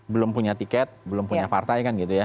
belum punya tiket belum punya partai kan gitu ya